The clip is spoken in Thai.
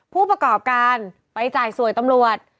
ผู้ประกอบการไปจ่ายสวยตำรวจ